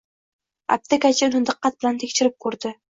Aptekachi uni diqqat bilan tekshirib ko`rdi